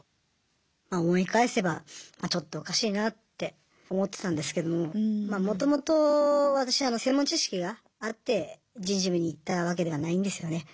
まあ思い返せばまあちょっとおかしいなって思ってたんですけどももともと私専門知識があって人事部に行ったわけではないんですよね。